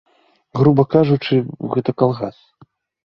Груба кажучы, гэта калгас.